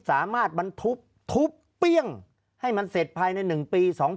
สามารถมันทุบทุบเปี้ยงให้มันเสร็จภายในหนึ่งปีสอง